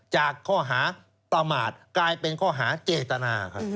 จากข้อหาประมาทกลายเป็นข้อหาเจตนาครับ